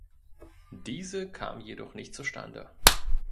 Diese kam jedoch nicht zustande.